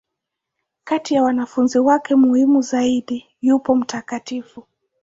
Kati ya wanafunzi wake muhimu zaidi, yupo Mt.